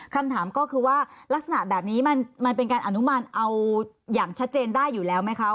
คำถามก็คือว่าลักษณะแบบนี้มันเป็นการอนุมานเอาอย่างชัดเจนได้อยู่แล้วไหมคะ